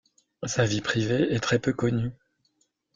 Sa vie privée est très peu connue.